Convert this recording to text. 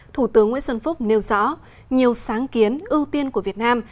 thủ tướng nguyễn xuân phúc nêu rõ nhiều sáng kiến ưu tiên của việt nam